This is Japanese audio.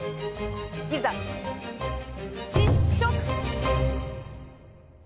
いざ、実食！